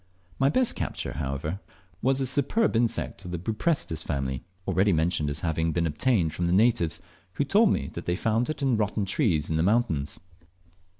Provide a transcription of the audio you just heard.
My best capture, however, was the superb insect of the Buprestis family, already mentioned as having been obtained from the natives, who told me they found it in rotten trees in the mountains.